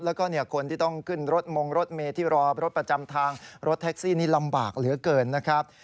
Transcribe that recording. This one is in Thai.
แล้วก็คนที่ต้องขึ้นรถมงรถเมที่รอรถประจำทางรถแท็กซี่นี่ลำบากเหลือเกินนะครับ